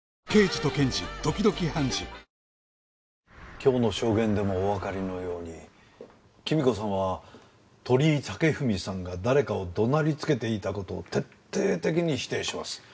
今日の証言でもおわかりのように貴美子さんは鳥居武文さんが誰かを怒鳴りつけていた事を徹底的に否定します。